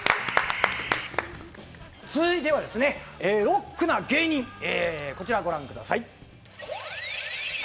続いてはロックな芸人、こちらをご覧ください。